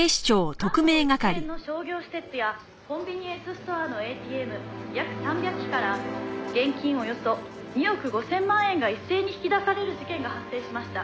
「関東一円の商業施設やコンビニエンスストアのＡＴＭ約３００機から現金およそ２億５０００万円が一斉に引き出される事件が発生しました」